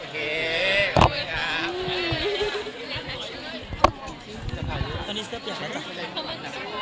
คือหลายคนอาจจะโยงอยู่ว่ายักษ์กับณเดชน์อย่าต้องปรุงสถานีวัน